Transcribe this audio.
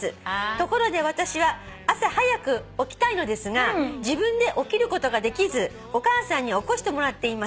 「ところで私は朝早く起きたいのですが自分で起きることができずお母さんに起こしてもらっています」